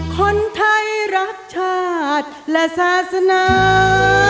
คนไทยรักชาติและศาสนา